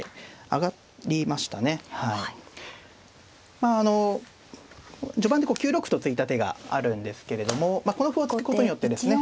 まああの序盤でこう９六歩と突いた手があるんですけれどもこの歩を突くことによってですね